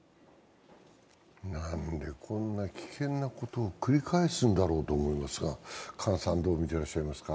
なんでこんな危険なことを繰り返すんだろうと思いますがどうみていらっしゃいますか。